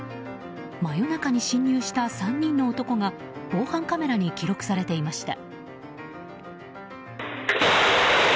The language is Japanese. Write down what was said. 真夜中に侵入した３人の男が防犯カメラに記録されていました。